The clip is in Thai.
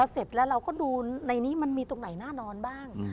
เสร็จแล้วเราก็ดูในนี้มันมีตรงไหนน่านอนบ้าง